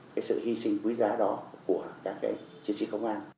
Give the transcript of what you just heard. cái sự hy sinh quý giá đó của các cái chiến sĩ công an